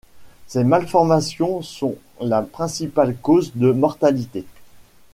Ces malformations sont la principale cause de mortalité.